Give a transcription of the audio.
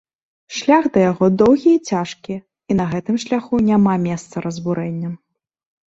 Шлях да яго доўгі і цяжкі, і на гэтым шляху няма месца разбурэнням.